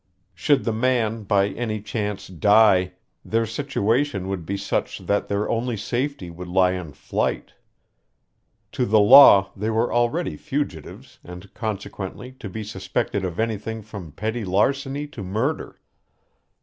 Should the man by any chance die, their situation would be such that their only safety would lie in flight. To the law they were already fugitives and consequently to be suspected of anything from petty larceny to murder.